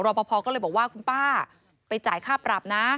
ปภก็เลยบอกว่าคุณป้าไปจ่ายค่าปรับนะ